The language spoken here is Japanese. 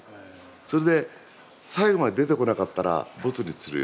それで最後まで出てこなかったらボツにするよね。